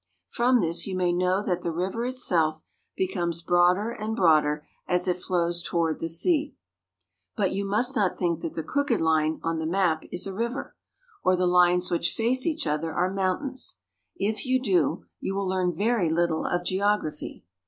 From this you may know that the river itself becomes broader and broader as it flows toward the sea. But you must not think that the crooked line on the map is a river, or the lines which face each other are mountains. If you do, you will learn very little of geography.